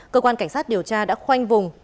cơ quan cảnh sát điều tra đã khoanh vùng